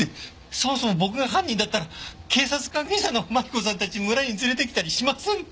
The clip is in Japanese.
そもそも僕が犯人だったら警察関係者のマリコさんたち村に連れてきたりしませんってば。